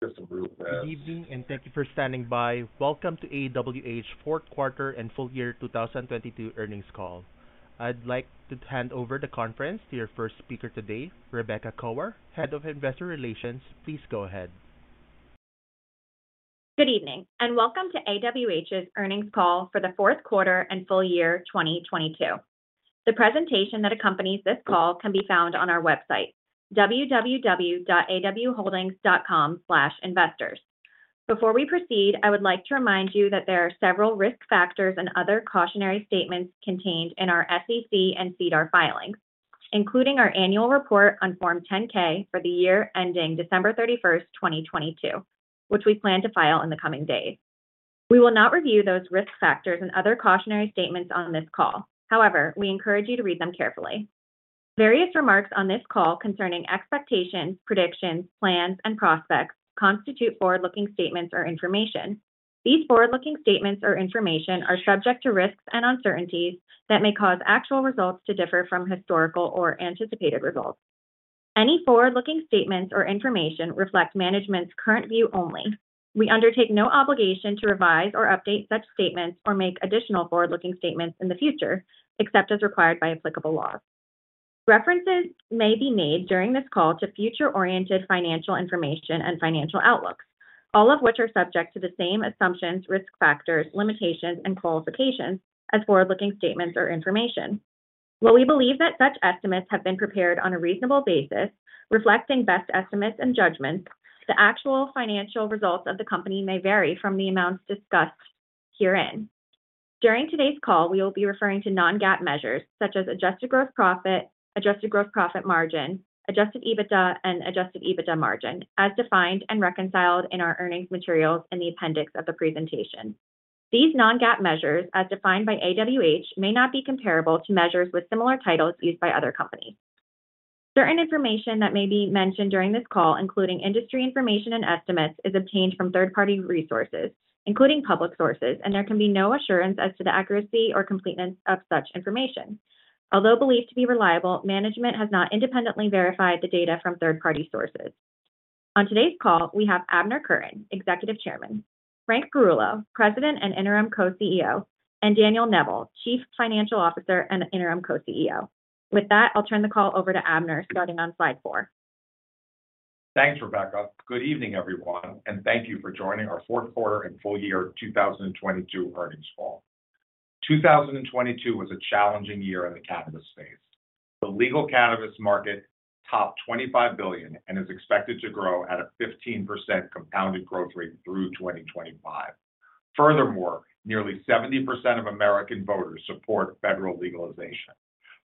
Good evening, and thank you for standing by. Welcome to AWH fourth quarter and full year 2022 earnings call. I'd like to hand over the conference to your first speaker today, Rebecca Koar, Head of Investor Relations. Please go ahead. Good evening, welcome to AWH's earnings call for the fourth quarter and full year 2022. The presentation that accompanies this call can be found on our website www.awholdings.com/investors. Before we proceed, I would like to remind you that there are several risk factors and other cautionary statements contained in our SEC and SEDAR filings, including our annual report on Form 10-K for the year ending December 31st, 2022, which we plan to file in the coming days. We will not review those risk factors and other cautionary statements on this call. We encourage you to read them carefully. Various remarks on this call concerning expectations, predictions, plans, and prospects constitute forward-looking statements or information. These forward-looking statements or information are subject to risks and uncertainties that may cause actual results to differ from historical or anticipated results. Any forward-looking statements or information reflect management's current view only. We undertake no obligation to revise or update such statements or make additional forward-looking statements in the future except as required by applicable law. References may be made during this call to future-oriented financial information and financial outlooks, all of which are subject to the same assumptions, risk factors, limitations, and qualifications as forward-looking statements or information. While we believe that such estimates have been prepared on a reasonable basis reflecting best estimates and judgments the actual financial results of the company may vary from the amounts discussed herein. During today's call, we will be referring to non-GAAP measures such as adjusted gross profit, adjusted gross profit margin, Adjusted EBITDA, and Adjusted EBITDA margin, as defined and reconciled in our earnings materials in the appendix of the presentation. These non-GAAP measures, as defined by AWH, may not be comparable to measures with similar titles used by other companies. Certain information that may be mentioned during this call, including industry information and estimates, is obtained from third-party resources, including public sources, and there can be no assurance as to the accuracy or completeness of such information. Although believed to be reliable, management has not independently verified the data from third-party sources. On today's call, we have Abner Kurtin, Executive Chairman, Frank Perullo, President and Interim Co-CEO, and Dan Neville, Chief Financial Officer and Interim Co-CEO. With that, I'll turn the call over to Abner, starting on slide four. Thanks, Rebecca Koar. Good evening, everyone, and thank you for joining our fourth quarter and full year 2022 earnings call. 2022 was a challenging year in the cannabis space. The legal cannabis market topped $25 billion and is expected to grow at a 15% compounded growth rate through 2025. Furthermore, nearly 70% of American voters support federal legalization.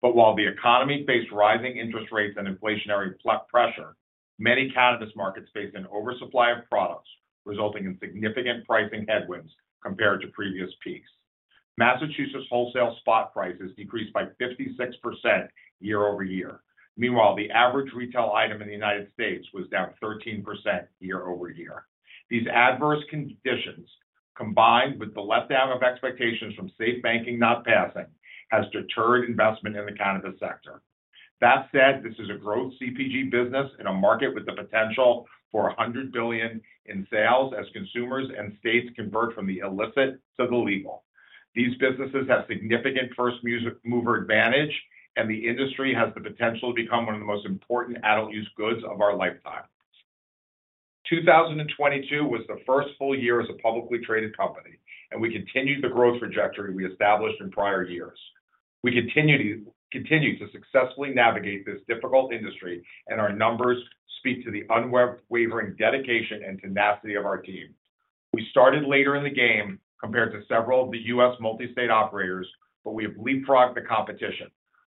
While the economy faced rising interest rates and inflationary pressure, many cannabis markets faced an oversupply of products, resulting in significant pricing headwinds compared to previous peaks. Massachusetts wholesale spot prices decreased by 56% year-over-year. Meanwhile, the average retail item in the United States was down 13% year-over-year. These adverse conditions, combined with the letdown of expectations from safe banking not passing, has deterred investment in the cannabis sector. This is a growth CPG business in a market with the potential for $100 billion in sales as consumers and states convert from the illicit to the legal. These businesses have significant first mover advantage, the industry has the potential to become one of the most important adult use goods of our lifetime. 2022 was the first full year as a publicly traded company we continued the growth trajectory we established in prior years. We continue to successfully navigate this difficult industry, our numbers speak to the unwavering dedication and tenacity of our team. We started later in the game compared to several of the U.S. multi-state operators, we have leapfrogged the competition.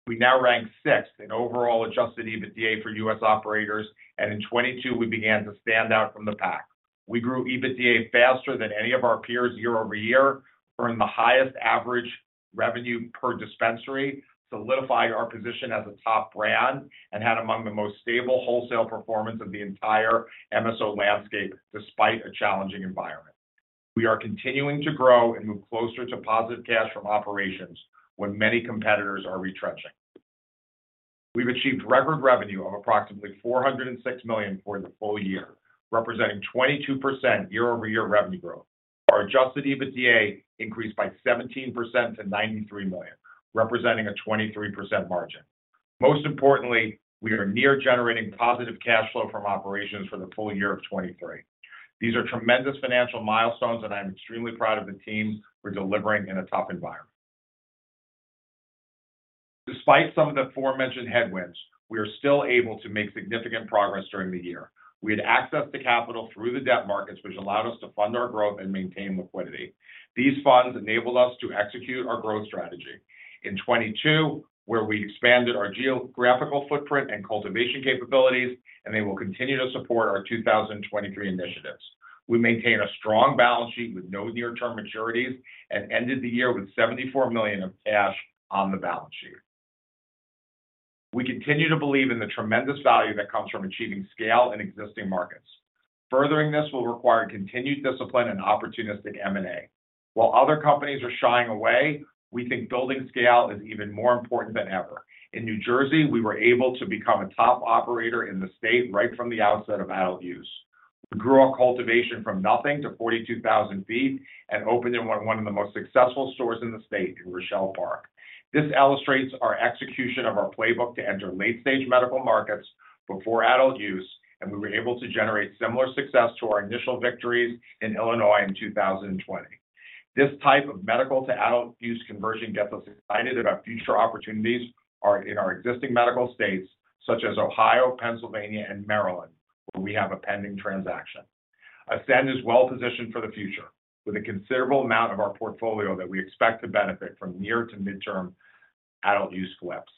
We now rank sixth in overall Adjusted EBITDA for U.S. operators, in 22 we began to stand out from the pack. We grew EBITDA faster than any of our peers year-over-year, earned the highest average revenue per dispensary, solidified our position as a top brand, and had among the most stable wholesale performance of the entire MSO landscape despite a challenging environment. We are continuing to grow and move closer to positive cash from operations when many competitors are retrenching. We've achieved record revenue of approximately $406 million for the full year representing 22% year-over-year revenue growth. Our Adjusted EBITDA increased by 17% to $93 million, representing a 23% margin. Most importantly, we are near generating positive cash flow from operations for the full year of 2023. These are tremendous financial milestones, and I'm extremely proud of the team for delivering in a tough environment. Despite some of the aforementioned headwinds, we are still able to make significant progress during the year. We had access to capital through the debt markets, which allowed us to fund our growth and maintain liquidity. These funds enabled us to execute our growth strategy in 2022, where we expanded our geographical footprint and cultivation capabilities. They will continue to support our 2023 initiatives. We maintain a strong balance sheet with no near-term maturities and ended the year with $74 million of cash on the balance sheet. We continue to believe in the tremendous value that comes from achieving scale in existing markets. Furthering this will require continued discipline and opportunistic M&A. While other companies are shying away, we think building scale is even more important than ever. In New Jersey, we were able to become a top operator in the state right from the outset of adult use. We grew our cultivation from nothing to 42,000 feet and opened in one of the most successful stores in the state in Rochelle Park. This illustrates our execution of our playbook to enter late-stage medical markets before adult use, and we were able to generate similar success to our initial victories in Illinois in 2020. This type of medical to adult use conversion gets us excited about future opportunities in our existing medical states such as Ohio, Pennsylvania, and Maryland, where we have a pending transaction. Ascend is well-positioned for the future with a considerable amount of our portfolio that we expect to benefit from near to midterm adult use flips.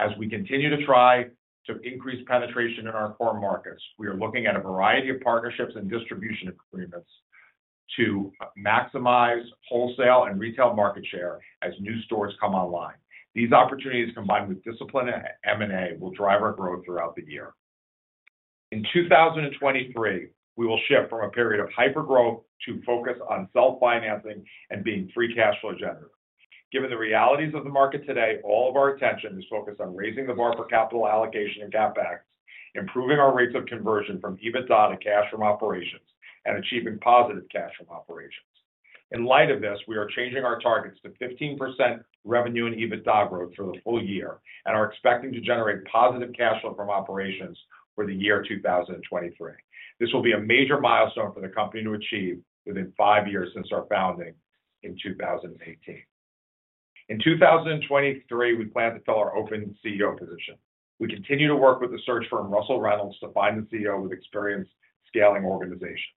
As we continue to try to increase penetration in our core markets, we are looking at a variety of partnerships and distribution agreements to maximize wholesale and retail market share as new stores come online. These opportunities, combined with discipline at M&A, will drive our growth throughout the year. In 2023, we will shift from a period of hypergrowth to focus on self-financing and being free cash flow generative. Given the realities of the market today, all of our attention is focused on raising the bar for capital allocation and CapEx, improving our rates of conversion from EBITDA to cash from operations, and achieving positive cash from operations. In light of this, we are changing our targets to 15% revenue and EBITDA growth for the full year and are expecting to generate positive cash flow from operations for the year 2023. This will be a major milestone for the company to achieve within five years since our founding in 2018. In 2023, we plan to fill our open CEO position. We continue to work with the search firm Russell Reynolds to find a CEO with experience scaling organizations.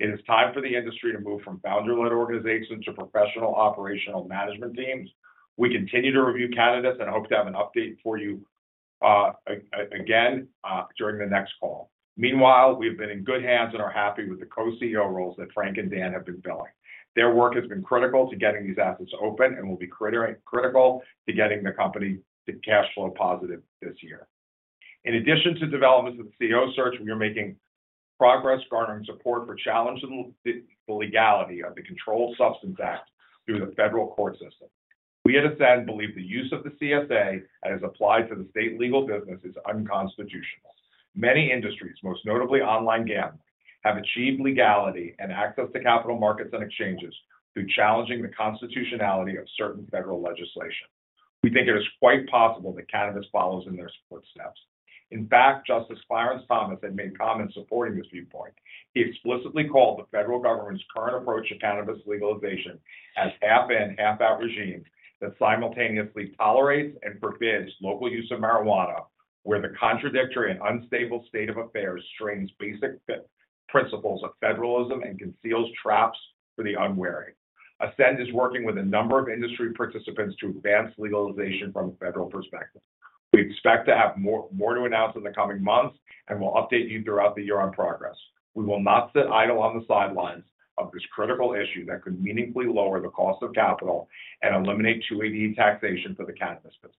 It is time for the industry to move from founder-led organizations to professional operational management teams. We continue to review candidates and hope to have an update for you again during the next call. Meanwhile, we have been in good hands and are happy with the Co-CEO roles that Frank and Dan have been filling. Their work has been critical to getting these assets open and will be critical to getting the company to cash flow positive this year. In addition to developments with the CEO search, we are making progress garnering support for challenging the legality of the Controlled Substances Act through the federal court system. We at Ascend believe the use of the CSA as applied to the state legal business is unconstitutional. Many industries, most notably online gambling, have achieved legality and access to capital markets and exchanges through challenging the constitutionality of certain federal legislation. We think it is quite possible that cannabis follows in their footsteps. In fact, Justice Clarence Thomas had made comments supporting this viewpoint. He explicitly called the federal government's current approach to cannabis legalization as half-in, half-out regime that simultaneously tolerates and forbids local use of marijuana, where the contradictory and unstable state of affairs strains basic principles of federalism and conceals traps for the unwary. Ascend is working with a number of industry participants to advance legalization from a federal perspective. We expect to have more to announce in the coming months and will update you throughout the year on progress. We will not sit idle on the sidelines of this critical issue that could meaningfully lower the cost of capital and eliminate 280E taxation for the cannabis business.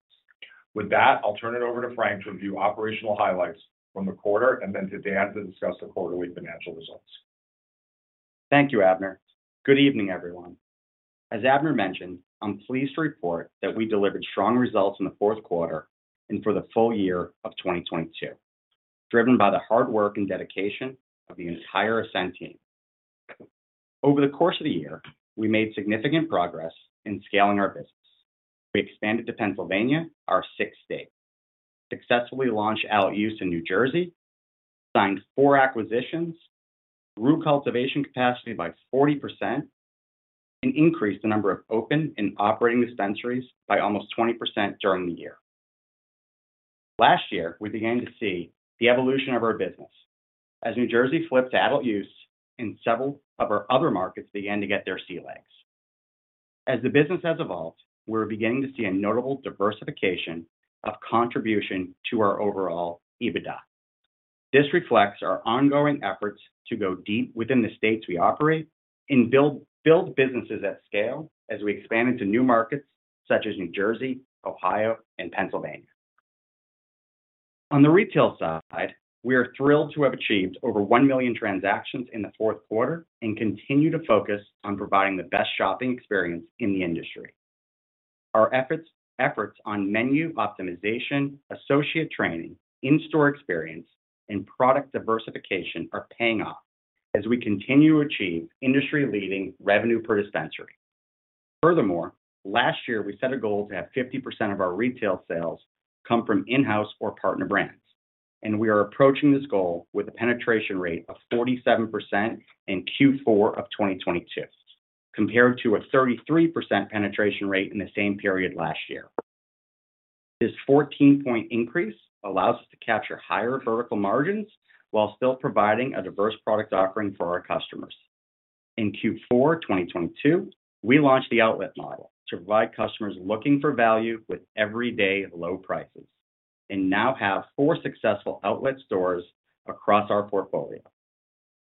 With that, I'll turn it over to Frank to review operational highlights from the quarter and then to Dan to discuss the quarterly financial results. Thank you, Abner. Good evening, everyone. As Abner mentioned, I'm pleased to report that we delivered strong results in the fourth quarter and for the full year of 2022, driven by the hard work and dedication of the entire Ascend team. Over the course of the year, we made significant progress in scaling our business. We expanded to Pennsylvania, our sixth state, successfully launched adult use in New Jersey, signed four acquisitions, grew cultivation capacity by 40%, and increased the number of open and operating dispensaries by almost 20% during the year. Last year, we began to see the evolution of our business as New Jersey flipped to adult use and several of our other markets began to get their sea legs. As the business has evolved, we're beginning to see a notable diversification of contribution to our overall EBITDA. This reflects our ongoing efforts to go deep within the states we operate and build businesses at scale as we expand into new markets such as New Jersey, Ohio, and Pennsylvania. On the retail side, we are thrilled to have achieved over 1 million transactions in the fourth quarter and continue to focus on providing the best shopping experience in the industry. Our efforts on menu optimization, associate training, in-store experience, and product diversification are paying off as we continue to achieve industry-leading revenue per dispensary. Last year, we set a goal to have 50% of our retail sales come from in-house or partner brands, and we are approaching this goal with a penetration rate of 47% in Q4 of 2022, compared to a 33% penetration rate in the same period last year. This 14-point increase allows us to capture higher vertical margins while still providing a diverse product offering for our customers. In Q4 2022, we launched the outlet model to provide customers looking for value with everyday low prices and now have four successful outlet stores across our portfolio.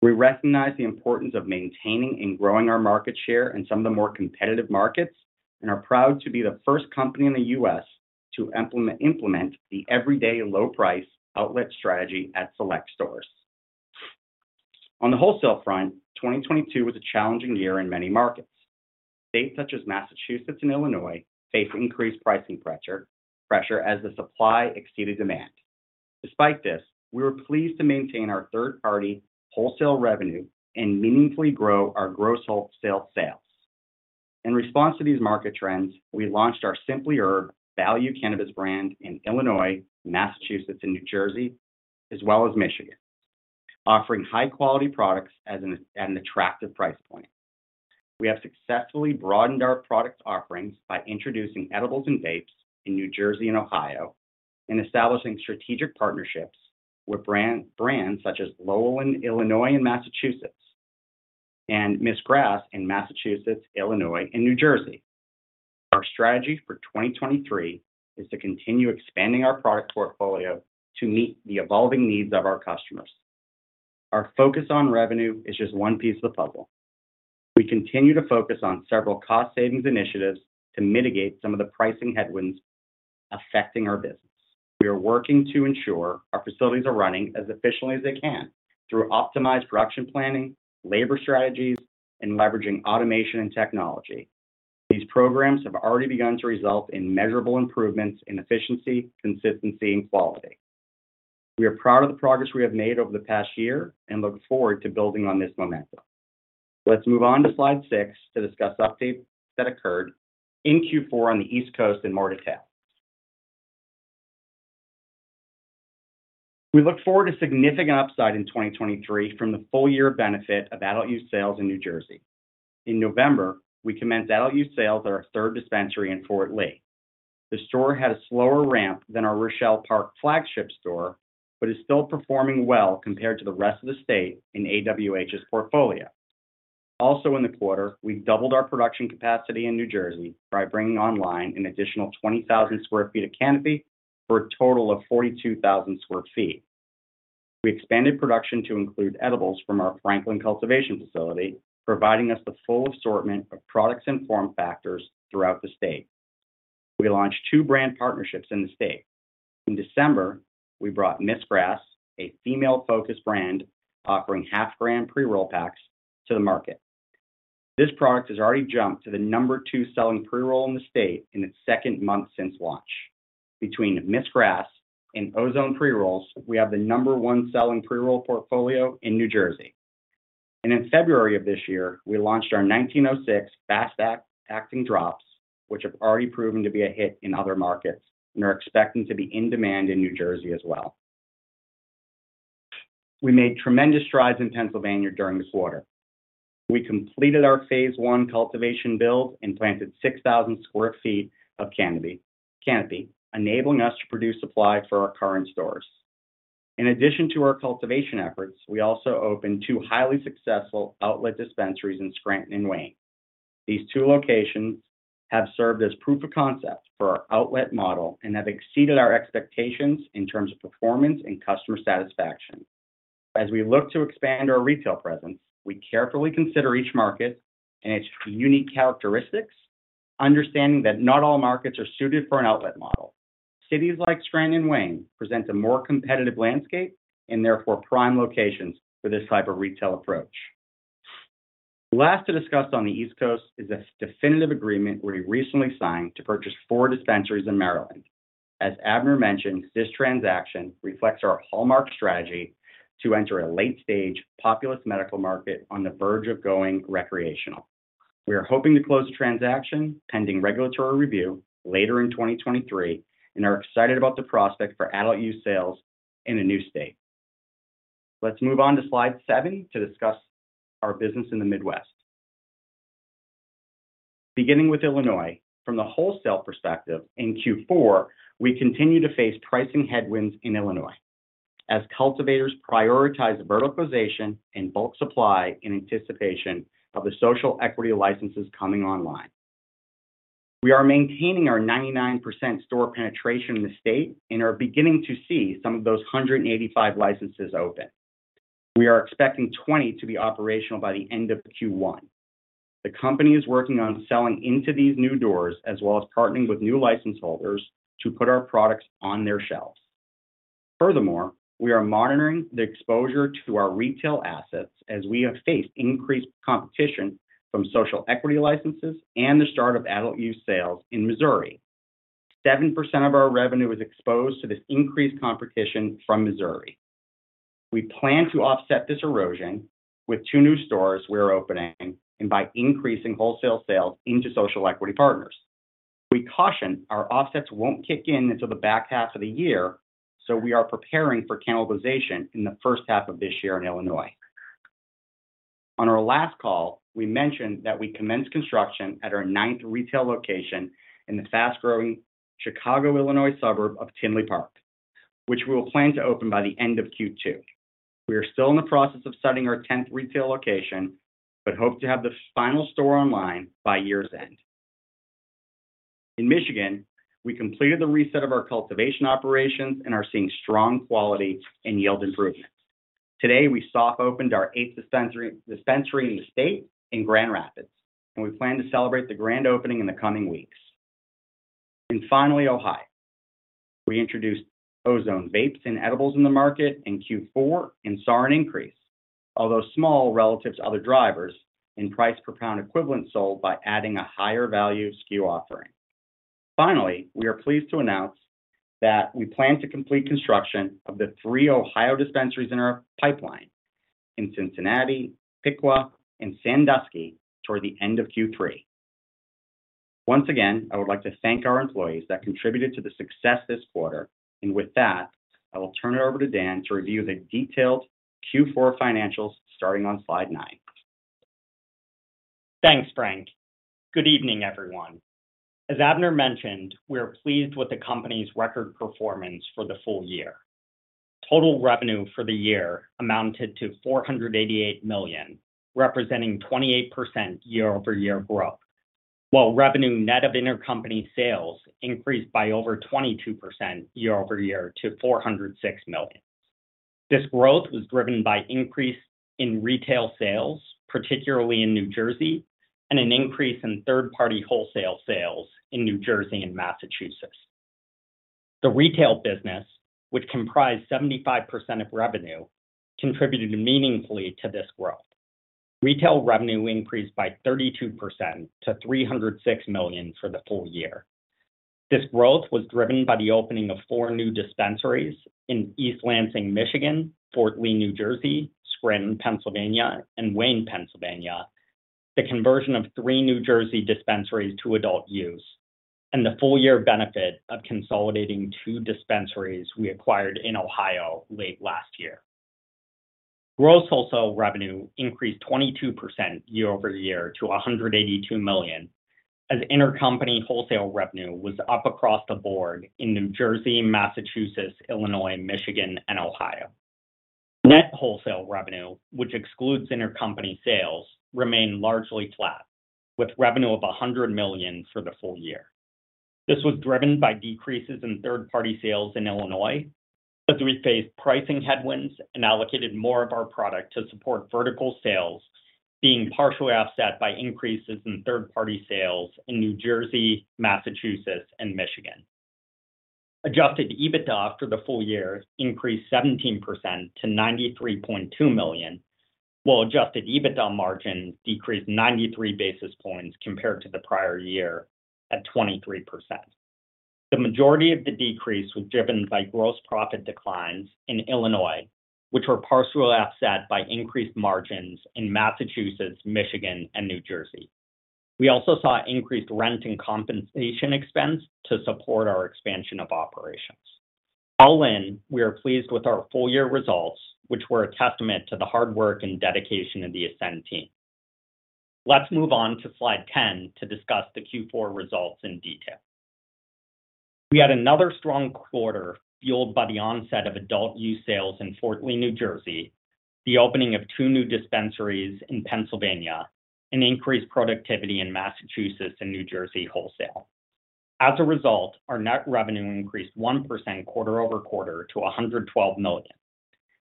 We recognize the importance of maintaining and growing our market share in some of the more competitive markets and are proud to be the first company in the U.S. to implement the everyday low price outlet strategy at select stores. On the wholesale front, 2022 was a challenging year in many markets. States such as Massachusetts and Illinois faced increased pricing pressure as the supply exceeded demand. Despite this, we were pleased to maintain our third-party wholesale revenue and meaningfully grow our gross wholesale sales. In response to these market trends, we launched our Simply Herb value cannabis brand in Illinois, Massachusetts, and New Jersey, as well as Michigan, offering high-quality products at an attractive price point. We have successfully broadened our product offerings by introducing edibles and vapes in New Jersey and Ohio, and establishing strategic partnerships with brands such as Lowell in Illinois and Massachusetts, and Miss Grass in Massachusetts, Illinois, and New Jersey. Our strategy for 2023 is to continue expanding our product portfolio to meet the evolving needs of our customers. Our focus on revenue is just one piece of the puzzle. We continue to focus on several cost savings initiatives to mitigate some of the pricing headwinds affecting our business. We are working to ensure our facilities are running as efficiently as they can through optimized production planning, labor strategies, and leveraging automation and technology. These programs have already begun to result in measurable improvements in efficiency, consistency, and quality. We are proud of the progress we have made over the past year and look forward to building on this momentum. Let's move on to slide 6 to discuss updates that occurred in Q4 on the East Coast in more detail. We look forward to significant upside in 2023 from the full year benefit of adult use sales in New Jersey. In November, we commenced adult use sales at our third dispensary in Fort Lee. The store had a slower ramp than our Rochelle Park flagship store, but is still performing well compared to the rest of the state in AWH's portfolio. Also in the quarter, we doubled our production capacity in New Jersey by bringing online an additional 20,000 sq ft of canopy for a total of 42,000 sq ft. We expanded production to include edibles from our Franklin cultivation facility, providing us the full assortment of products and form factors throughout the state. We launched two brand partnerships in the state. In December, we brought Miss Grass, a female-focused brand offering half gram pre-roll packs to the market. This product has already jumped to the number two selling pre-roll in the state in its second month since launch. Between Miss Grass and Ozone pre-rolls, we have the number one selling pre-roll portfolio in New Jersey. In February of this year, we launched our 1906 fast-acting drops, which have already proven to be a hit in other markets and are expecting to be in demand in New Jersey as well. We made tremendous strides in Pennsylvania during this quarter. We completed our phase I cultivation build and planted 6,000 sq ft of canopy, enabling us to produce supply for our current stores. In addition to our cultivation efforts, we also opened two highly successful outlet dispensaries in Scranton and Wayne. These two locations have served as proof of concept for our outlet model and have exceeded our expectations in terms of performance and customer satisfaction. As we look to expand our retail presence, we carefully consider each market and its unique characteristics, understanding that not all markets are suited for an outlet model. Cities like Scranton and Wayne present a more competitive landscape and therefore prime locations for this type of retail approach. Last to discuss on the East Coast is a definitive agreement we recently signed to purchase four dispensaries in Maryland. As Abner mentioned, this transaction reflects our hallmark strategy to enter a late-stage populous medical market on the verge of going recreational. We are hoping to close the transaction pending regulatory review later in 2023 and are excited about the prospect for adult use sales in a new state. Let's move on to slide seven to discuss our business in the Midwest. Beginning with Illinois, from the wholesale perspective, in Q4, we continue to face pricing headwinds in Illinois as cultivators prioritize verticalization and bulk supply in anticipation of the social equity licenses coming online. We are maintaining our 99% store penetration in the state and are beginning to see some of those 185 licenses open. We are expecting 20 to be operational by the end of Q1. The company is working on selling into these new doors as well as partnering with new license holders to put our products on their shelves. We are monitoring the exposure to our retail assets as we have faced increased competition from social equity licenses and the start of adult use sales in Missouri. 7% of our revenue is exposed to this increased competition from Missouri. We plan to offset this erosion with two new stores we're opening and by increasing wholesale sales into social equity partners. We caution our offsets won't kick in until the back half of the year. We are preparing for cannibalization in the first half of this year in Illinois. On our last call, we mentioned that we commenced construction at our ninth retail location in the fast-growing Chicago, Illinois suburb of Tinley Park, which we will plan to open by the end of Q2. We are still in the process of setting our tenth retail location. Hope to have the final store online by year's end. In Michigan, we completed the reset of our cultivation operations and are seeing strong quality and yield improvements. Today, we soft opened our eighth dispensary in the state in Grand Rapids. We plan to celebrate the grand opening in the coming weeks. Finally, Ohio. We introduced Ozone vapes and edibles in the market in Q4 and saw an increase, although small relative to other drivers in price per pound equivalent sold by adding a higher value SKU offering. Finally, we are pleased to announce that we plan to complete construction of the three Ohio dispensaries in our pipeline in Cincinnati, Piqua, and Sandusky toward the end of Q3. Once again, I would like to thank our employees that contributed to the success this quarter, and with that, I will turn it over to Dan to review the detailed Q4 financials starting on slide nine. Thanks, Frank. Good evening, everyone. As Abner mentioned, we are pleased with the company's record performance for the full year. Total revenue for the year amounted to $488 million, representing 28% year-over-year growth, while revenue net of intercompany sales increased by over 22% year-over-year to $406 million. This growth was driven by increase in retail sales, particularly in New Jersey, and an increase in third-party wholesale sales in New Jersey and Massachusetts. The retail business, which comprised 75% of revenue, contributed meaningfully to this growth. Retail revenue increased by 32% to $306 million for the full year. This growth was driven by the opening of four new dispensaries in East Lansing, Michigan, Fort Lee, New Jersey, Scranton, Pennsylvania, and Wayne, Pennsylvania, the conversion of 3 New Jersey dispensaries to adult use, and the full year benefit of consolidating two dispensaries we acquired in Ohio late last year. Gross wholesale revenue increased 22% year-over-year to $182 million, as intercompany wholesale revenue was up across the board in New Jersey, Massachusetts, Illinois, Michigan, and Ohio. Net wholesale revenue, which excludes intercompany sales, remained largely flat, with revenue of $100 million for the full year. This was driven by decreases in third-party sales in Illinois as we faced pricing headwinds and allocated more of our product to support vertical sales being partially offset by increases in third-party sales in New Jersey, Massachusetts, and Michigan. Adjusted EBITDA for the full year increased 17% to $93.2 million, while Adjusted EBITDA margins decreased 93 basis points compared to the prior year at 23%. The majority of the decrease was driven by gross profit declines in Illinois, which were partially offset by increased margins in Massachusetts, Michigan, and New Jersey. We also saw increased rent and compensation expense to support our expansion of operations. All in, we are pleased with our full-year results, which were a testament to the hard work and dedication of the Ascend team. Let's move on to Slide 10 to discuss the Q4 results in detail. We had another strong quarter fueled by the onset of adult use sales in Fort Lee, New Jersey, the opening of two new dispensaries in Pennsylvania, and increased productivity in Massachusetts and New Jersey wholesale. Our net revenue increased 1% quarter-over-quarter to $112 million.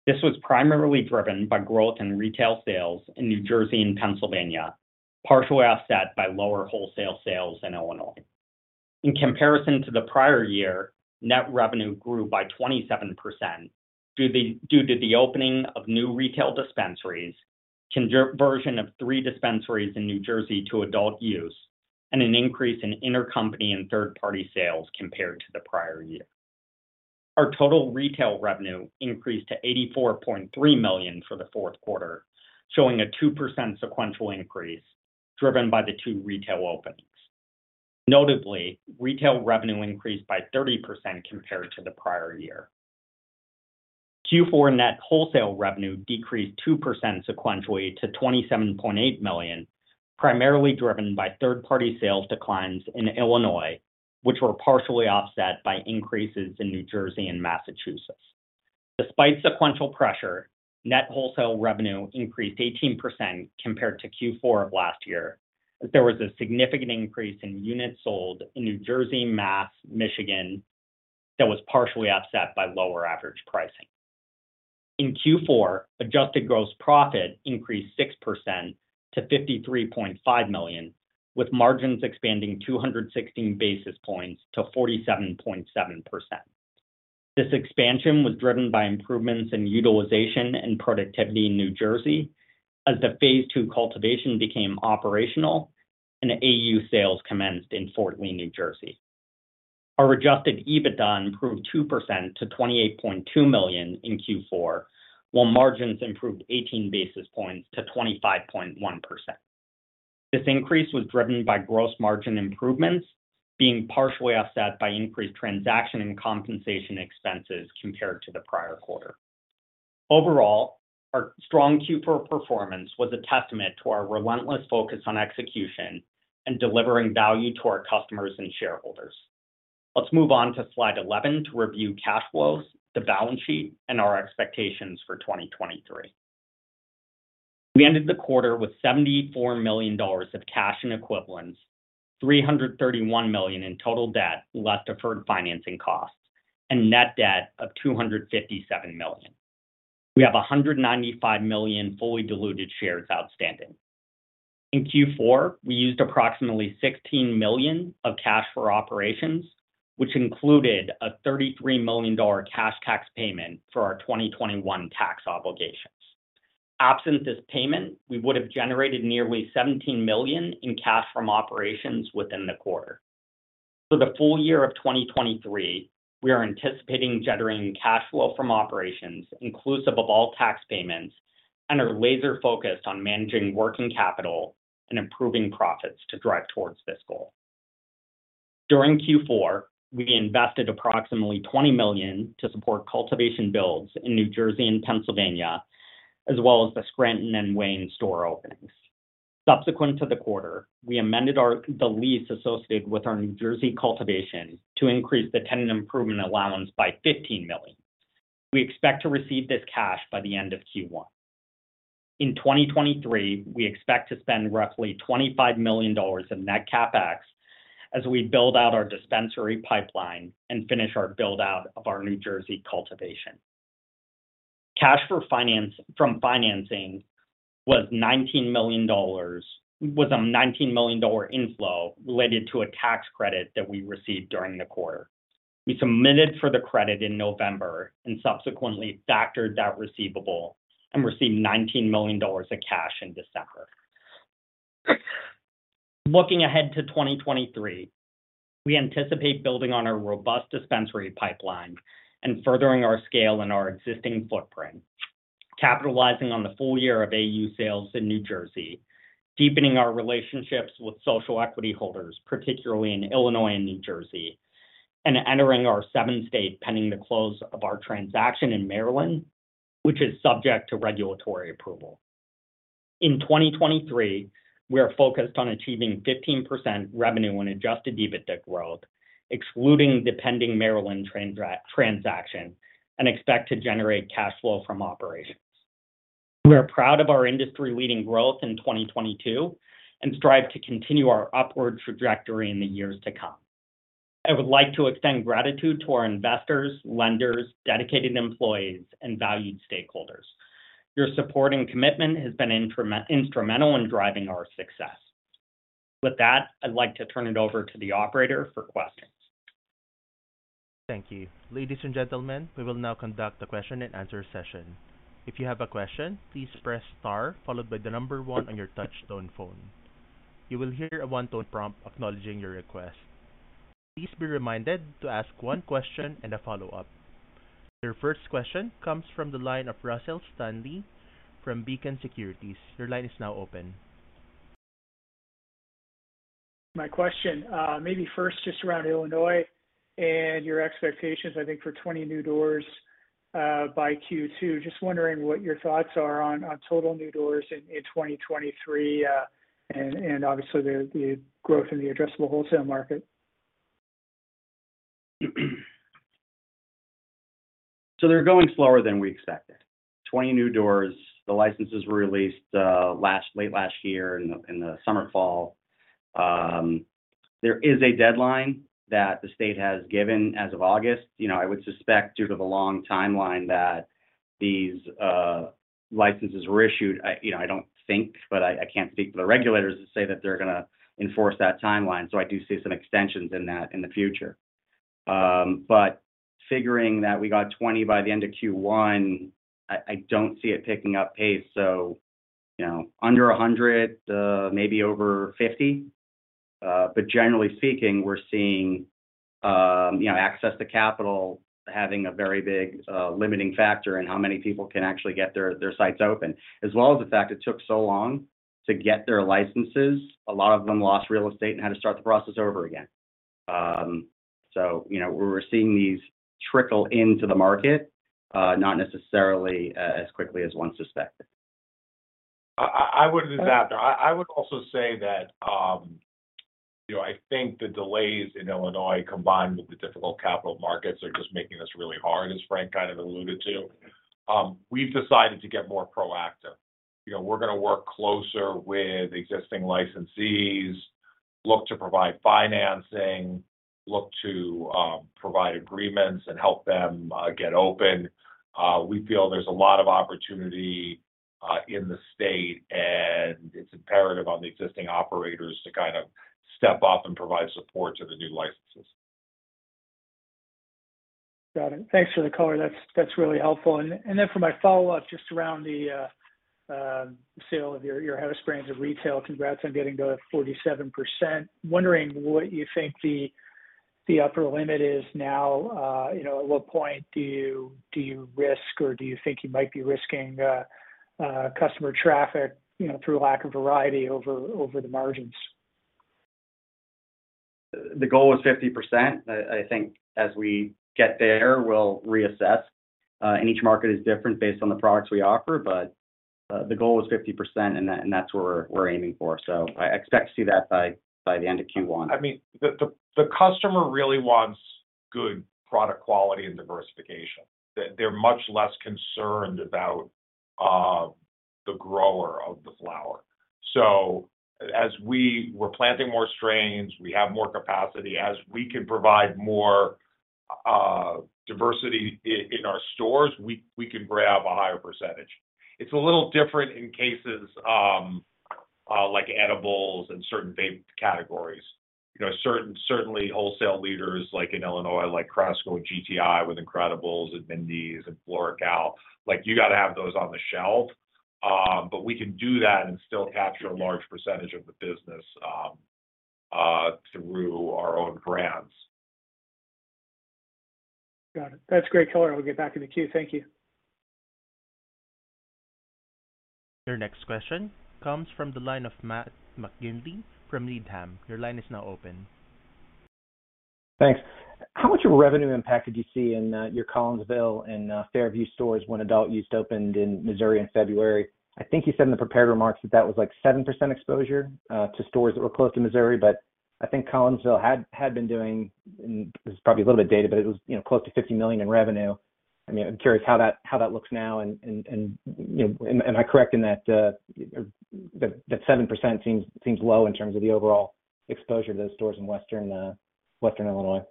This was primarily driven by growth in retail sales in New Jersey and Pennsylvania, partially offset by lower wholesale sales in Illinois. In comparison to the prior year, net revenue grew by 27%, due to the opening of new retail dispensaries, conversion of three dispensaries in New Jersey to adult use, and an increase in intercompany and third-party sales compared to the prior year. Our total retail revenue increased to $84.3 million for the fourth quarter, showing a 2% sequential increase driven by the two retail openings. Notably, retail revenue increased by 30% compared to the prior year. Q4 net wholesale revenue decreased 2% sequentially to $27.8 million, primarily driven by third-party sales declines in Illinois, which were partially offset by increases in New Jersey and Massachusetts. Despite sequential pressure, net wholesale revenue increased 18% compared to Q4 of last year as there was a significant increase in units sold in New Jersey, Mass, Michigan that was partially offset by lower average pricing. In Q4, adjusted gross profit increased 6% to $53.5 million, with margins expanding 216 basis points to 47.7%. This expansion was driven by improvements in utilization and productivity in New Jersey as the phase II cultivation became operational and AU sales commenced in Fort Lee, New Jersey. Our Adjusted EBITDA improved 2% to $28.2 million in Q4, while margins improved 18 basis points to 25.1%. This increase was driven by gross margin improvements being partially offset by increased transaction and compensation expenses compared to the prior quarter. Overall, our strong Q4 performance was a testament to our relentless focus on execution and delivering value to our customers and shareholders. Let's move on to slide 11 to review cash flows, the balance sheet, and our expectations for 2023. We ended the quarter with $74 million of cash and equivalents, $331 million in total debt, less deferred financing costs, and net debt of $257 million. We have 195 million fully diluted shares outstanding. In Q4, we used approximately $16 million of cash for operations, which included a $33 million cash tax payment for our 2021 tax obligations. Absent this payment, we would have generated nearly $17 million in cash from operations within the quarter. For the full year of 2023, we are anticipating generating cash flow from operations inclusive of all tax payments and are laser-focused on managing working capital and improving profits to drive towards this goal. During Q4, we invested approximately $20 million to support cultivation builds in New Jersey and Pennsylvania, as well as the Scranton and Wayne store openings. Subsequent to the quarter, we amended the lease associated with our New Jersey cultivation to increase the tenant improvement allowance by $15 million. We expect to receive this cash by the end of Q1. In 2023, we expect to spend roughly $25 million in net CapEx as we build out our dispensary pipeline and finish our build-out of our New Jersey cultivation. Cash from financing was a $19 million inflow related to a tax credit that we received during the quarter. We submitted for the credit in November and subsequently factored that receivable and received $19 million in cash in December. Looking ahead to 2023, we anticipate building on our robust dispensary pipeline and furthering our scale in our existing footprint, capitalizing on the full year of AU sales in New Jersey, deepening our relationships with social equity holders, particularly in Illinois and New Jersey, and entering our seven state pending the close of our transaction in Maryland, which is subject to regulatory approval. In 2023, we are focused on achieving 15% revenue on Adjusted EBITDA growth, excluding the pending Maryland transaction, and expect to generate cash flow from operations. We are proud of our industry-leading growth in 2022 and strive to continue our upward trajectory in the years to come. I would like to extend gratitude to our investors, lenders, dedicated employees, and valued stakeholders. Your support and commitment has been instrumental in driving our success. With that, I'd like to turn it over to the operator for questions. Thank you. Ladies and gentlemen, we will now conduct a question and answer session. If you have a question, please press star followed by one on your touch tone phone. You will hear a one-tone prompt acknowledging your request. Please be reminded to ask one question and a follow-up. Your first question comes from the line of Russell Stanley from Beacon Securities. Your line is now open. My question, maybe first just around Illinois and your expectations, I think, for 20 new doors, by Q2. Just wondering what your thoughts are on total new doors in 2023, and obviously the growth in the addressable wholesale market. They're going slower than we expected. 20 new doors, the licenses were released late last year in the, in the summer, fall. There is a deadline that the state has given as of August. I would suspect due to the long timeline that these licenses were issued, I, you know, I don't think, but I can't speak for the regulators to say that they're gonna enforce that timeline. I do see some extensions in that in the future. Figuring that we got 20 by the end of Q1, I don't see it picking up pace. You know, under 100, maybe over 50. Generally speaking, we're seeing, you know, access to capital having a very big limiting factor in how many people can actually get their sites open. As well as the fact it took so long to get their licenses, a lot of them lost real estate and had to start the process over again. You know, we're seeing these trickle into the market, not necessarily as quickly as one suspected. I would add that. I would also say that, you know, I think the delays in Illinois combined with the difficult capital markets are just making this really hard, as Frank kind of alluded to. We've decided to get more proactive. You know, we're gonna work closer with existing licensees, look to provide financing, look to provide agreements and help them get open. We feel there's a lot of opportunity in the state, and it's imperative on the existing operators to kind of step up and provide support to the new licenses. Got it. Thanks for the color. That's really helpful. Then for my follow-up, just around the sale of your house brands of retail. Congrats on getting to 47%. Wondering what you think the upper limit is now. You know, at what point do you risk, or do you think you might be risking customer traffic, you know, through lack of variety over the margins? The goal was 50%. I think as we get there, we'll reassess. Each market is different based on the products we offer, but the goal is 50% and that's what we're aiming for. I expect to see that by the end of Q1. I mean, the customer really wants good product quality and diversification. They're much less concerned about the grower of the flower. As we're planting more strains, we have more capacity. As we can provide more diversity in our stores, we can grab a higher percentage. It's a little different in cases, like edibles and certain vape categories. You know, certainly wholesale leaders, like in Illinois, like Cresco and GTI with Incredibles and Mindy's and FloraCal, like, you gotta have those on the shelf, but we can do that and still capture a large percentage of the business through our own brands. Got it. That's great color. We'll get back in the queue. Thank you. Your next question comes from the line of Matt McGinley from Needham. Your line is now open. Thanks. How much of a revenue impact did you see in your Collinsville and Fairview stores when adult use opened in Missouri in February? I think you said in the prepared remarks that that was, like, 7% exposure to stores that were close to Missouri, but I think Collinsville had been doing, and this is probably a little bit dated, but it was, you know, close to $50 million in revenue. I mean, I'm curious how that, how that looks now and, you know, am I correct in that that 7% seems low in terms of the overall exposure to those stores in Western Illinois?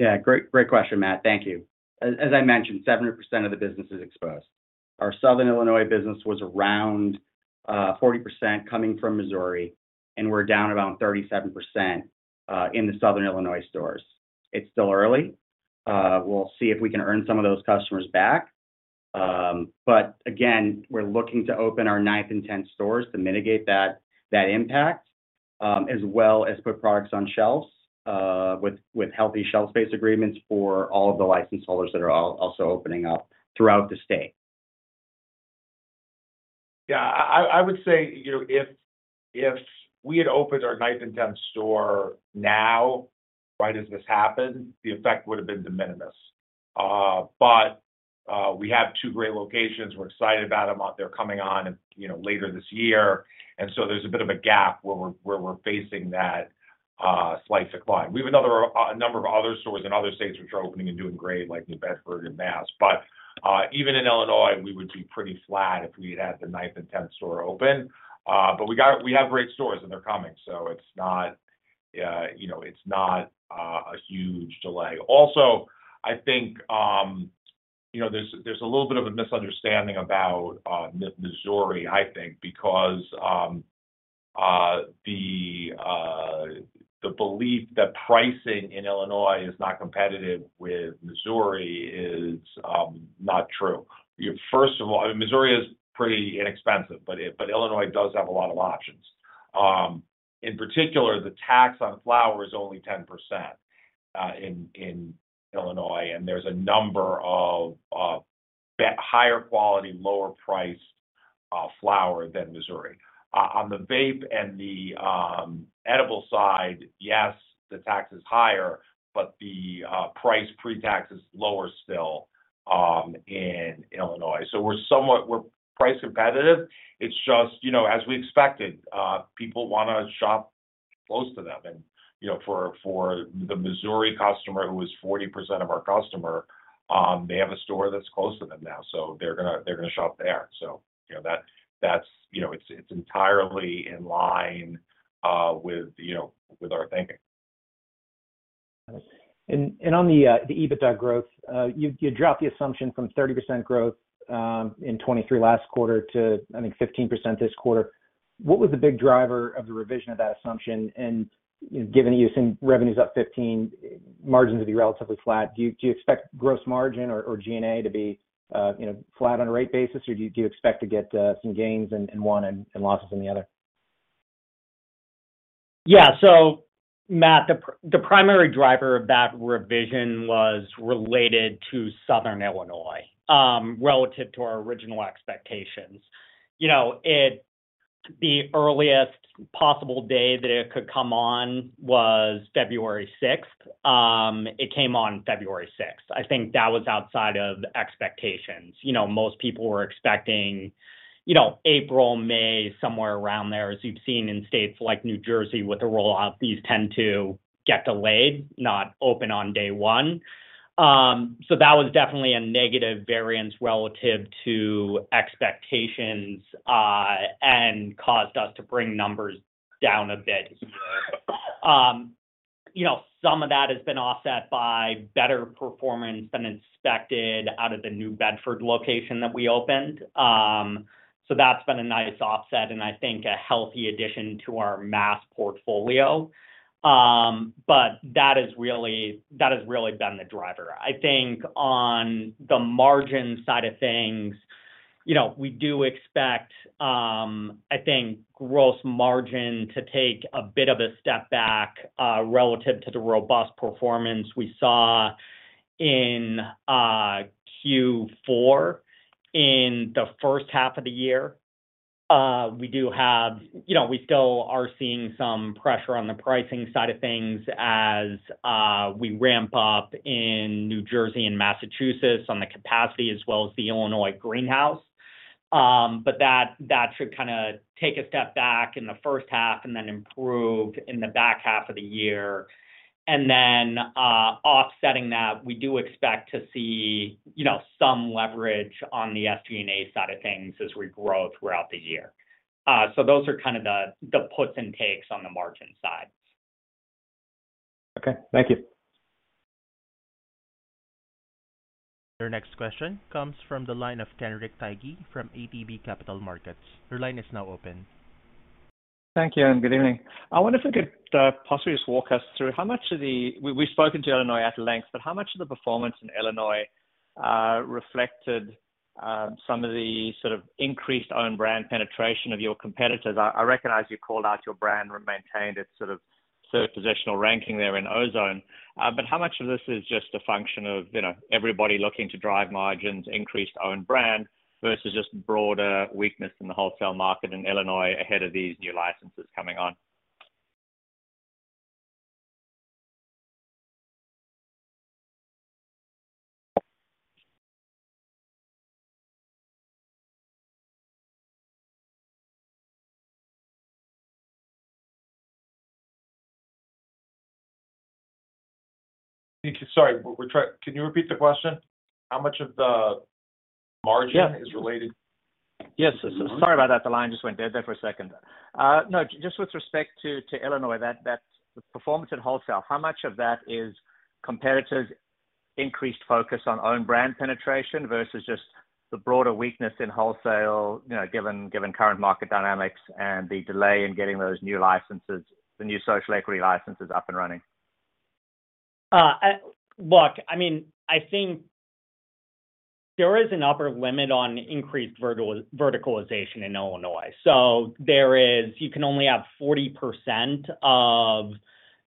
Yeah. Great question, Matt. Thank you. As I mentioned, 7% of the business is exposed. Our Southern Illinois business was around 40% coming from Missouri, we're down about 37% in the Southern Illinois stores. It's still early. We'll see if we can earn some of those customers back. Again, we're looking to open our ninth and tenth stores to mitigate that impact, as well as put products on shelves with healthy shelf space agreements for all of the licensed holders that are also opening up throughout the state. Yeah. I would say, you know, if we had opened our ninth and 10th store now, right as this happened, the effect would have been de minimis. We have two great locations. We're excited about them. They're coming on, you know, later this year. There's a bit of a gap where we're, where we're facing that, slight decline. We have a number of other stores in other states which are opening and doing great, like New Bedford and Mass. Even in Illinois, we would be pretty flat if we had the ninth and 10th store open. We have great stores, and they're coming, so it's not, you know, it's not a huge delay. I think, you know, there's a little bit of a misunderstanding about Missouri, I think, because the belief that pricing in Illinois is not competitive with Missouri is not true. First of all, I mean Missouri is pretty inexpensive, but Illinois does have a lot of options. In particular, the tax on flower is only 10% in Illinois, and there's a number of higher quality, lower priced flower than Missouri. On the vape and the edible side, yes, the tax is higher, but the price pre-tax is lower still in Illinois. We're price competitive. It's just, you know, as we expected, people wanna shop close to them. you know, for the Missouri customer, who is 40% of our customer, they have a store that's close to them now, so they're gonna, they're gonna shop there. you know, that's, you know, it's entirely in line with, you know, with our thinking. Got it. On the EBITDA growth, you dropped the assumption from 30% growth in 2023 last quarter to, I think, 15% this quarter. What was the big driver of the revision of that assumption? Given you're seeing revenues up 15, margins will be relatively flat, do you expect gross margin or G&A to be, you know, flat on a rate basis, or do you expect to get some gains in one and losses in the other? Yeah. Matt, the primary driver of that revision was related to Southern Illinois, relative to our original expectations. You know, the earliest possible day that it could come on was February 6th. It came on February 6th. I think that was outside of expectations. You know, most people were expecting, you know, April, May, somewhere around there. As you've seen in states like New Jersey with the rollout, these tend to get delayed, not open on day one. That was definitely a negative variance relative to expectations, and caused us to bring numbers down a bit. You know, some of that has been offset by better performance than expected out of the New Bedford location that we opened. That's been a nice offset and I think a healthy addition to our mass portfolio. But that is really, that has really been the driver. I think on the margin side of things, you know, we do expect, I think, gross margin to take a bit of a step back, relative to the robust performance we saw in Q4 in the first half of the year. We do have, you know, we still are seeing some pressure on the pricing side of things as we ramp up in New Jersey and Massachusetts on the capacity as well as the Illinois greenhouse. But that should kinda take a step back in the first half and then improve in the back half of the year. Offsetting that, we do expect to see, you know, some leverage on the SG&A side of things as we grow throughout the year. Those are kind of the puts and takes on the margin side. Okay. Thank you. Your next question comes from the line of Kenric Tyghe from ATB Capital Markets. Your line is now open. Thank you, good evening. I wonder if you could possibly just walk us through how much of the… We've spoken to Illinois at length, how much of the performance in Illinois reflected some of the sort of increased own brand penetration of your competitors? I recognize you called out your brand and maintained its sort of service positional ranking there in Ozone. How much of this is just a function of, you know, everybody looking to drive margins, increase own brand, versus just broader weakness in the wholesale market in Illinois ahead of these new licenses coming on? Sorry. Can you repeat the question? How much of the margin- Yeah is related to Yes. Sorry about that. The line just went dead there for a second. No, just with respect to Illinois, that performance in wholesale, how much of that is competitors' increased focus on own brand penetration versus just the broader weakness in wholesale, you know, given current market dynamics and the delay in getting those new licenses, the new social equity licenses up and running? Look, I mean, I think there is an upper limit on increased verticalization in Illinois. There is. You can only have 40% of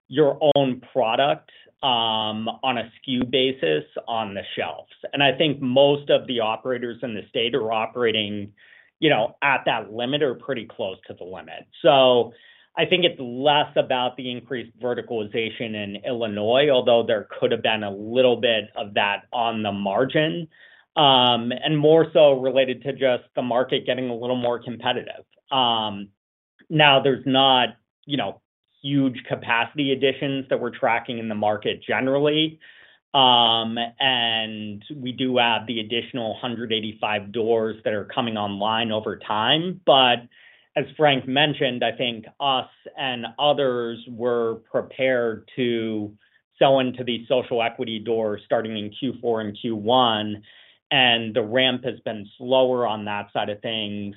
your own product on a SKU basis on the shelves. I think most of the operators in the state are operating, you know, at that limit or pretty close to the limit. I think it's less about the increased verticalization in Illinois, although there could have been a little bit of that on the margin, and more so related to just the market getting a little more competitive. Now there's not, you know, huge capacity additions that we're tracking in the market generally. And we do have the additional 185 doors that are coming online over time. As Frank mentioned, I think us and others were prepared to sell into these social equity doors starting in Q4 and Q1, and the ramp has been slower on that side of things.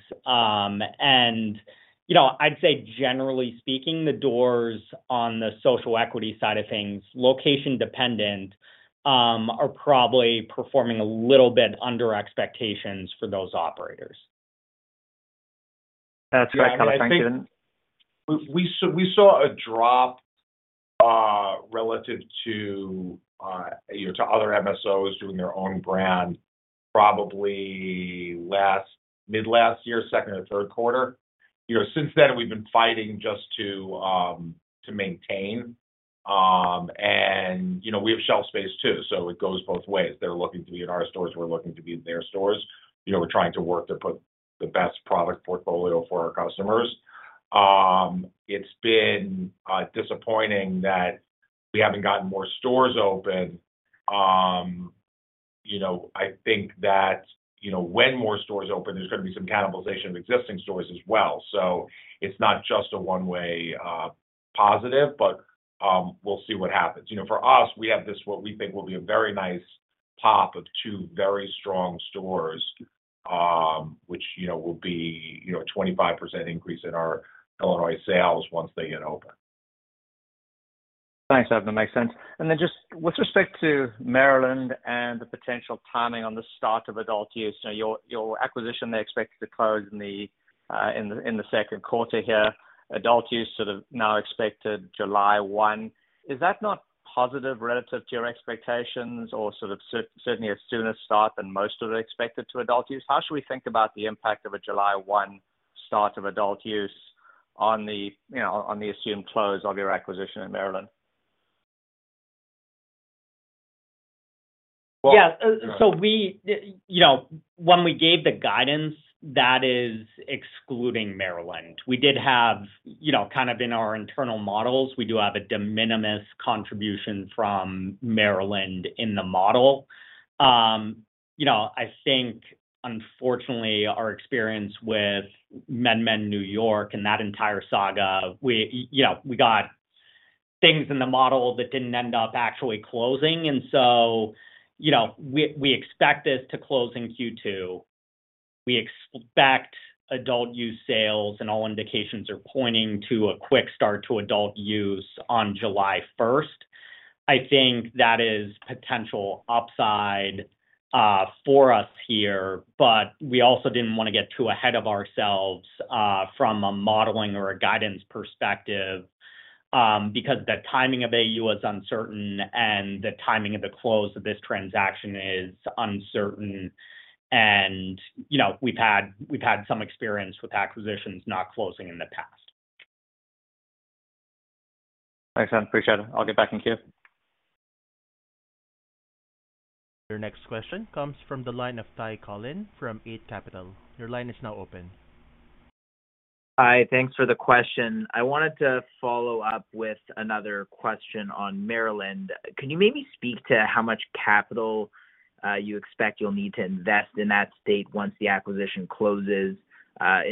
You know, I'd say generally speaking, the doors on the social equity side of things, location dependent, are probably performing a little bit under expectations for those operators. That's great. Dan. We saw a drop relative to, you know, to other MSOs doing their own brand probably last, mid last year, second or third quarter. You know, since then, we've been fighting just to maintain. You know, we have shelf space too, so it goes both ways. They're looking to be in our stores, we're looking to be in their stores. You know, we're trying to work to put the best product portfolio for our customers. It's been disappointing that we haven't gotten more stores open. You know, I think that, you know, when more stores open, there's gonna be some cannibalization of existing stores as well. It's not just a one-way positive, but we'll see what happens. You know, for us, we have this what we think will be a very nice pop of two very strong stores, which, you know, will be, you know, a 25% increase in our Illinois sales once they get open. Thanks. That makes sense. Just with respect to Maryland and the potential timing on the start of adult use, you know, your acquisition they expect to close in the second quarter here. Adult use sort of now expected July 1. Is that not positive relative to your expectations or sort of certainly a sooner start than most would have expected to adult use? How should we think about the impact of a July 1 start of adult use on the, you know, on the assumed close of your acquisition in Maryland? Yeah. You know, when we gave the guidance, that is excluding Maryland. We did have, you know, kind of in our internal models, we do have a de minimis contribution from Maryland in the model. You know, I think unfortunately, our experience with MedMen New York and that entire saga, we, you know, we got things in the model that didn't end up actually closing. We expect this to close in Q2. We expect adult use sales and all indications are pointing to a quick start to adult use on July 1st. I think that is potential upside for us here, we also didn't wanna get too ahead of ourselves from a modeling or a guidance perspective because the timing of AU is uncertain and the timing of the close of this transaction is uncertain. You know, we've had some experience with acquisitions not closing in the past. Thanks, man. Appreciate it. I'll get back in queue. Your next question comes from the line of Ty Collin from Eight Capital. Your line is now open. Hi. Thanks for the question. I wanted to follow up with another question on Maryland. Can you maybe speak to how much capital you expect you'll need to invest in that state once the acquisition closes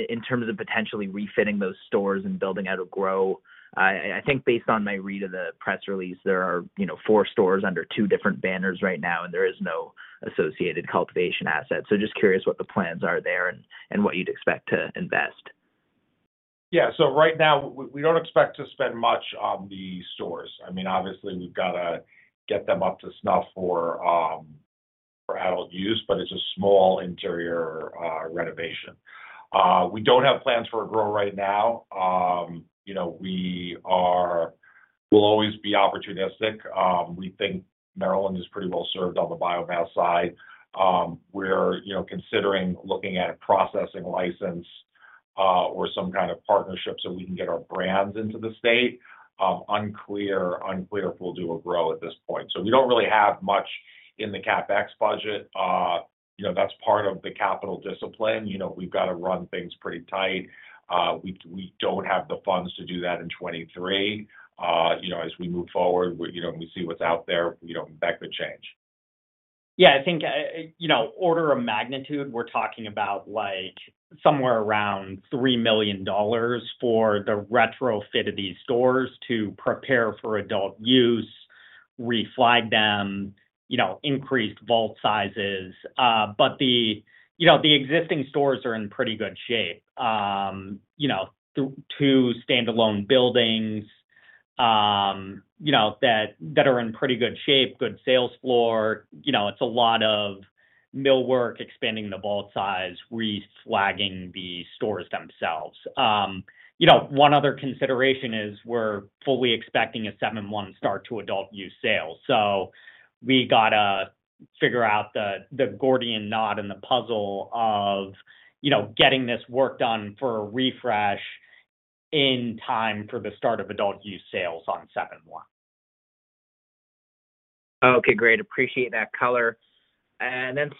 in terms of potentially refitting those stores and building out a grow? I think based on my read of the press release, there are, you know, four stores under two different banners right now, and there is no associated cultivation assets. Just curious what the plans are there and what you'd expect to invest. Yeah. Right now we don't expect to spend much on the stores. I mean, obviously we've gotta get them up to snuff for adult use, but it's a small interior renovation. We don't have plans for a grow right now. You know, we'll always be opportunistic. We think Maryland is pretty well served on the biomass side. We're, you know, considering looking at a processing license or some kind of partnership so we can get our brands into the state. Unclear if we'll do a grow at this point. We don't really have much in the CapEx budget. You know, that's part of the capital discipline. You know, we've got to run things pretty tight. We don't have the funds to do that in 2023. you know, as we move forward, we, you know, we see what's out there, you know, that could change. Yeah, I think, you know, order of magnitude, we're talking about like somewhere around $3 million for the retrofit of these stores to prepare for adult use, re-flag them, you know, increase vault sizes. The, you know, the existing stores are in pretty good shape. You know, two standalone buildings, you know, that are in pretty good shape, good sales floor. You know, it's a lot of millwork, expanding the vault size, re-flagging the stores themselves. You know, one other consideration is we're fully expecting a 7/1 start to adult use sales. We gotta figure out the Gordian knot and the puzzle of, you know, getting this work done for a refresh in time for the start of adult use sales on 7/1. Okay, great. Appreciate that color.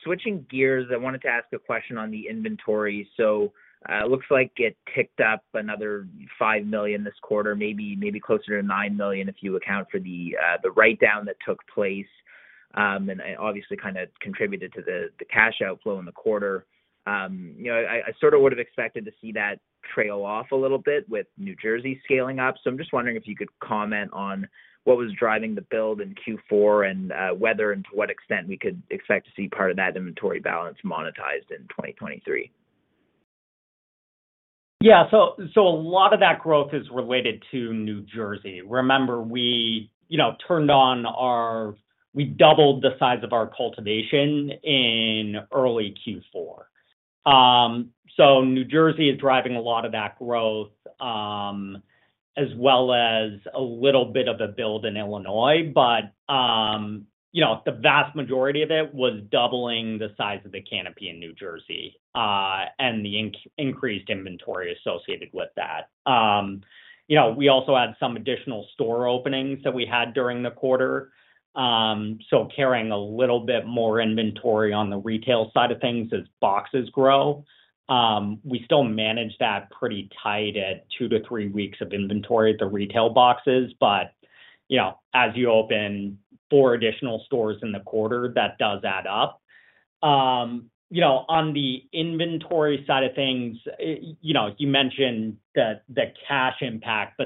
Switching gears, I wanted to ask a question on the inventory. It looks like it ticked up another $5 million this quarter, maybe closer to $9 million if you account for the write-down that took place, and obviously kind of contributed to the cash outflow in the quarter. You know, I sort of would have expected to see that trail off a little bit with New Jersey scaling up. I'm just wondering if you could comment on what was driving the build in Q4 and whether and to what extent we could expect to see part of that inventory balance monetized in 2023. A lot of that growth is related to New Jersey. Remember, we doubled the size of our cultivation in early Q4. New Jersey is driving a lot of that growth, as well as a little bit of a build in Illinois. The vast majority of it was doubling the size of the canopy in New Jersey, and the increased inventory associated with that. We also had some additional store openings that we had during the quarter, carrying a little bit more inventory on the retail side of things as boxes grow. We still manage that pretty tight at two to three weeks of inventory at the retail boxes. As you open four additional stores in the quarter, that does add up. You know, on the inventory side of things, you know, you mentioned the cash impact.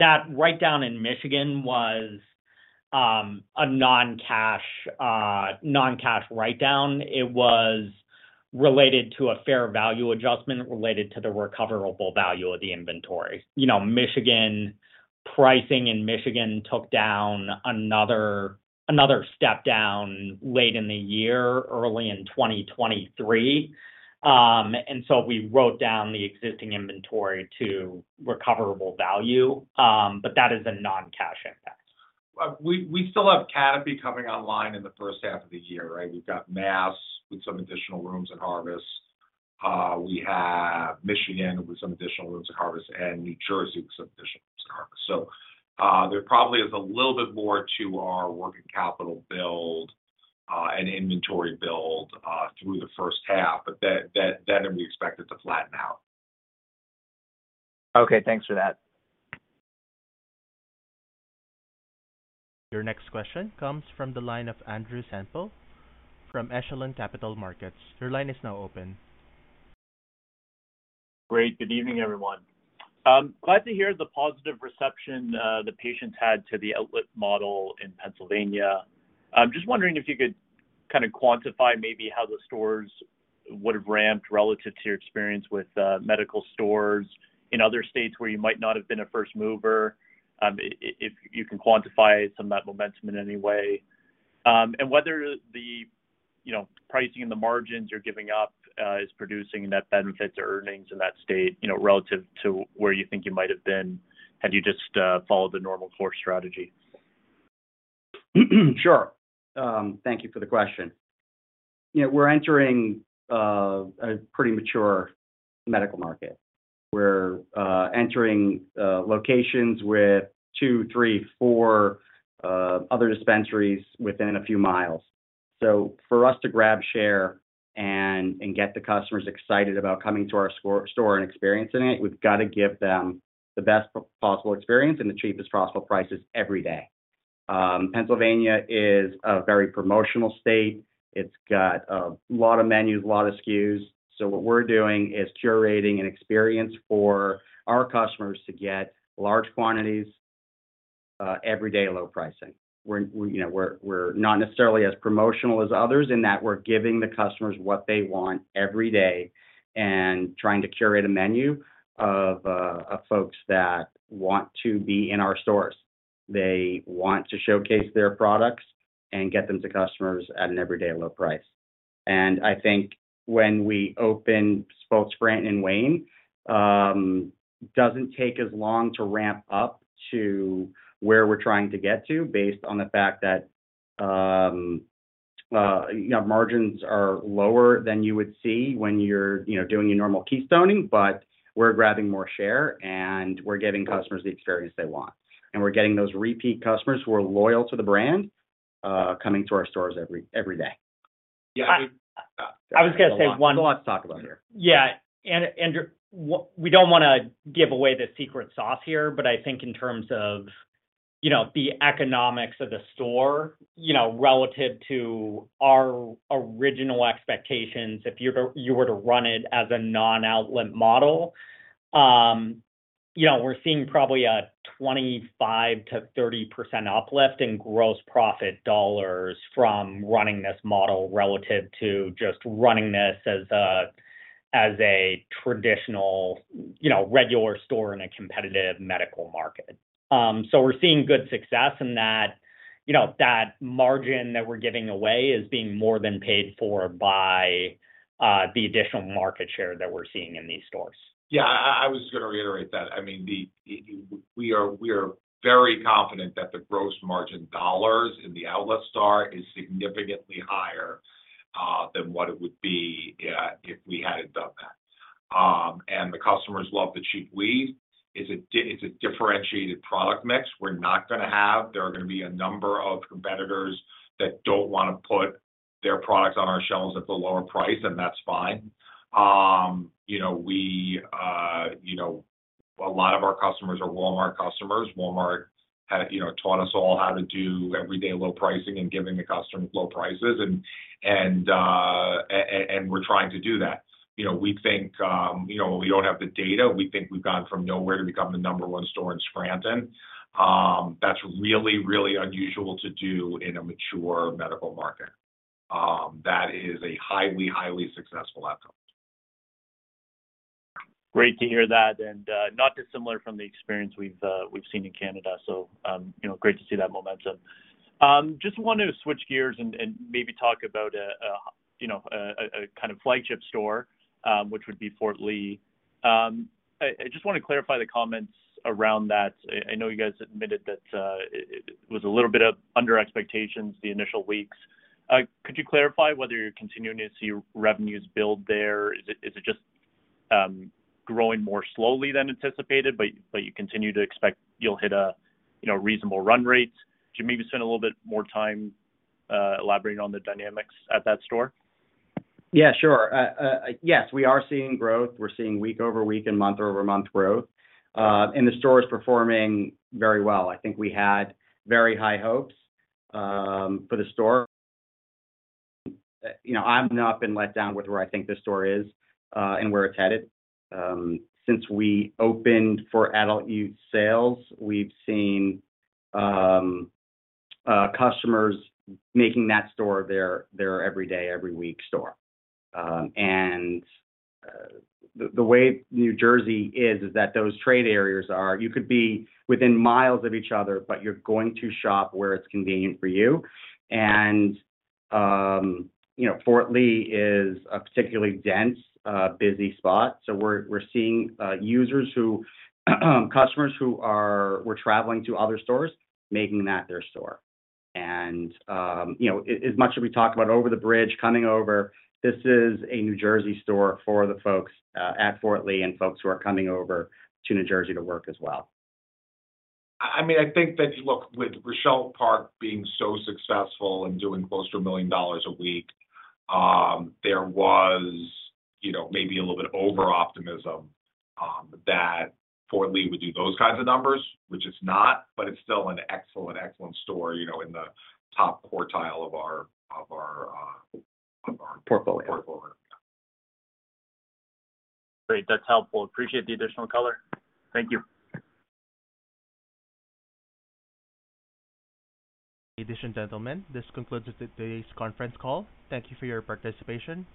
That write-down in Michigan was a non-cash write-down. It was related to a fair value adjustment related to the recoverable value of the inventory. You know, Michigan, pricing in Michigan took down another step down late in the year, early in 2023. We wrote down the existing inventory to recoverable value. That is a non-cash impact. We still have canopy coming online in the first half of the year, right? We've got Mass with some additional rooms and harvests. We have Michigan with some additional rooms and harvests, and New Jersey with some additional rooms and harvests. There probably is a little bit more to our working capital build and inventory build through the first half, but then we expect it to flatten out. Okay. Thanks for that. Your next question comes from the line of Andrew Partheniou from Echelon Capital Markets. Your line is now open. Great. Good evening, everyone. Glad to hear the positive reception, the patients had to the outlet model in Pennsylvania. I'm just wondering if you could kind of quantify maybe how the stores would have ramped relative to your experience with medical stores in other states where you might not have been a first mover, if you can quantify some of that momentum in any way? Whether the, you know, pricing and the margins you're giving up, is producing net benefits or earnings in that state, you know, relative to where you think you might have been had you just followed the normal course strategy? Sure. Thank you for the question. You know, we're entering a pretty mature medical market. We're entering locations with two, three, four other dispensaries within a few miles. For us to grab share and get the customers excited about coming to our store and experiencing it, we've gotta give them the best possible experience and the cheapest possible prices every day. Pennsylvania is a very promotional state. It's got a lot of menus, a lot of SKUs. What we're doing is curating an experience for our customers to get large quantities, everyday low pricing. We're, you know, we're not necessarily as promotional as others in that we're giving the customers what they want every day and trying to curate a menu of folks that want to be in our stores. They want to showcase their products and get them to customers at an everyday low price. I think when we open both Scranton and Wayne, doesn't take as long to ramp up to where we're trying to get to based on the fact that, you know, margins are lower than you would see when you're, you know, doing your normal keystoning, but we're grabbing more share, and we're giving customers the experience they want. We're getting those repeat customers who are loyal to the brand, coming to our stores every day. Yeah. I was gonna say. There's a lot to talk about here. Yeah. We don't wanna give away the secret sauce here, but I think in terms of, you know, the economics of the store, you know, relative to our original expectations, if you were to run it as a non-outlet model, you know, we're seeing probably a 25%-30% uplift in gross profit dollars from running this model relative to just running this as a, as a traditional, you know, regular store in a competitive medical market. We're seeing good success in that, you know, that margin that we're giving away is being more than paid for by the additional market share that we're seeing in these stores. Yeah. I was just gonna reiterate that. I mean, we are very confident that the gross margin dollars in the outlet store is significantly higher than what it would be if we hadn't done that. The customers love the cheap weed. It's a differentiated product mix we're not gonna have. There are gonna be a number of competitors that don't wanna put their products on our shelves at the lower price, and that's fine. You know, we, you know, a lot of our customers are Walmart customers. Walmart, you know, taught us all how to do everyday low pricing and giving the customers low prices and, and we're trying to do that. You know, we think, you know, we don't have the data. We think we've gone from nowhere to become the number one store in Scranton. That's really, really unusual to do in a mature medical market. That is a highly successful outcome. Great to hear that, not dissimilar from the experience we've seen in Canada. You know, great to see that momentum. Wanted to switch gears and maybe talk about a kind of flagship store, which would be Fort Lee. Wanna clarify the comments around that. Know you guys admitted that it was a little bit of under expectations the initial weeks. You clarify whether you're continuing to see revenues build there? Is it just growing more slowly than anticipated, but you continue to expect you'll hit a, you know, reasonable run rates? You maybe spend a little bit more time elaborating on the dynamics at that store? Sure. Yes, we are seeing growth. We're seeing week-over-week and month-over-month growth. The store is performing very well. I think we had very high hopes for the store. You know, I've not been let down with where I think the store is and where it's headed. Since we opened for adult use sales, we've seen customers making that store their every day, every week store. The way New Jersey is that those trade areas are you could be within miles of each other, but you're going to shop where it's convenient for you. You know, Fort Lee is a particularly dense, busy spot. We're seeing customers who were traveling to other stores, making that their store. You know, as much as we talk about over the bridge coming over, this is a New Jersey store for the folks at Fort Lee and folks who are coming over to New Jersey to work as well. I mean, I think that you look with Rochelle Park being so successful and doing close to $1 million a week, there was, you know, maybe a little bit over-optimism that Fort Lee would do those kinds of numbers, which it's not, but it's still an excellent store, you know, in the top quartile of our. Portfolio... portfolio. Yeah. Great. That's helpful. Appreciate the additional color. Thank you. In addition, gentlemen, this concludes today's conference call. Thank you for your participation.